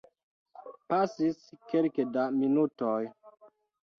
Pasis kelke da minutoj.